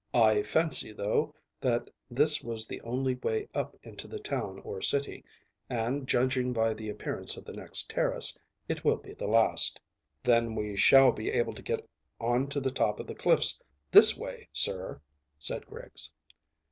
I fancy, though, that this was the only way up into the town or city, and, judging by the appearance of the next terrace, it will be the last." "Then we shall be able to get on to the top of the cliffs this way, sir," said Griggs.